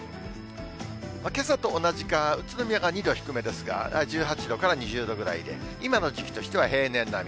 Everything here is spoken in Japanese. けさと同じか、宇都宮が２度低めですが、１８度から２０度ぐらいで、今の時期としては平年並み。